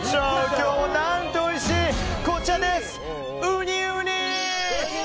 今日は何とおいしいこちらです！